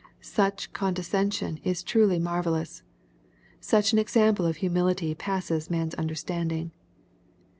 Such condescension is truly marvellous. Such an example of humility passes man's understanding.